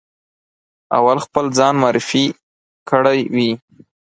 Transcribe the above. اول خپل ځان معرفي کړی وي.